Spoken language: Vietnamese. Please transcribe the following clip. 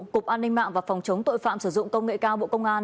cục an ninh mạng và phòng chống tội phạm sử dụng công nghệ cao bộ công an